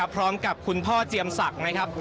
พร้อมกับคุณพ่อเจยำศักดิ์